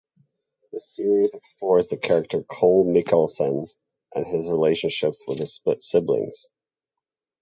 The series explores the character Kol Mikaelson and his relationships with his siblings.